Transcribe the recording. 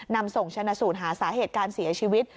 นำส่งชนะสูตรหาสาเหตุการเสียชีวิต